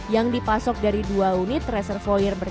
yang dipasok dari dua unit reservoir